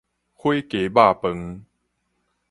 火雞肉飯